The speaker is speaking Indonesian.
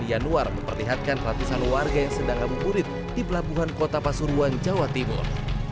yanuar memperlihatkan ratusan warga yang sedang ngabuburit di pelabuhan kota pasuruan jawa timur